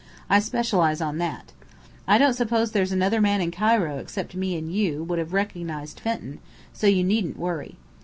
I specialize on that. I don't suppose there's another man in Cairo except me and you, would have recognized Fenton, so you needn't worry.